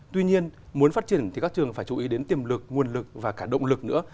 tuy nhiên muốn phát triển thì các trường phải chú ý đến tiềm lực nguồn lực và cả động lực nữa